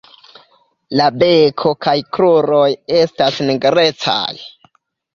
La beko kaj kruroj estas nigrecaj.